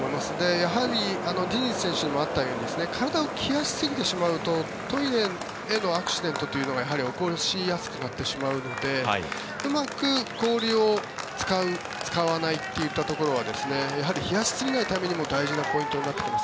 やはりディニズ選手にもあったように体を冷やしすぎてしまうとトイレのアクシデントがやはり起こしやすくなってしまうのでうまく氷を使う、使わないといったところは冷やしすぎないためにも大事なポイントになってきます。